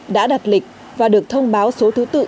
đã đặt lịch và được thông báo số thứ tự